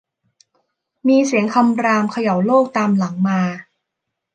มีเสียงคำรามเขย่าโลกตามหลังมา